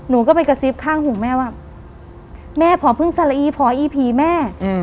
หนูก็ไปกระซิบข้างหูแม่ว่าแม่พอพึ่งสละอีพออีผีแม่